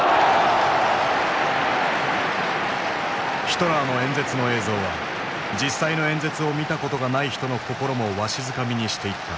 ヒトラーの演説の映像は実際の演説を見たことがない人の心もわしづかみにしていった。